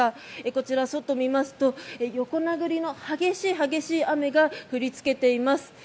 こちら、外を見ますと横殴りの激しい激しい雨が降りつけています。